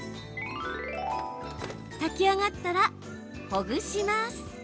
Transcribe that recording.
炊き上がったら、ほぐします。